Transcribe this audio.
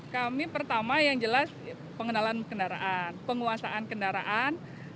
kami pertama yang jelas pengenalan kendaraan penguasaan kendaraan